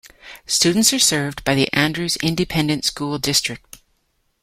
Students are served by the Andrews Independent School District.